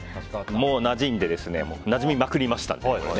もうなじんでなじみまくりました。